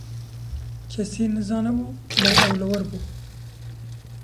Kesî nizanîbû lê ew li wir bû.